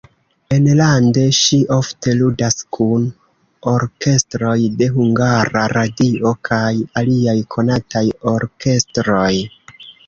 Enlande ŝi ofte ludas kun orkestroj de Hungara Radio kaj aliaj konataj orkestroj.